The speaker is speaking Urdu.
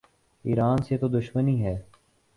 ایران سے تو دشمنی ہے۔